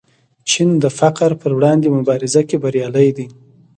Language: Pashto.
چین د فقر پر وړاندې مبارزه کې بریالی دی.